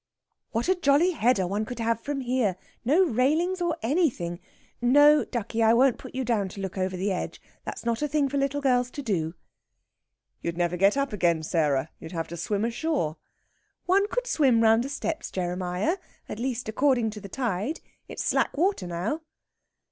"What a jolly header one could have from here! No railings or anything. No ducky! I won't put you down to look over the edge. That's not a thing for little girls to do." "You'd never get up again, Sarah. You'd have to swim ashore." "One could swim round the steps, Jeremiah at least, according to the tide. It's slack water now."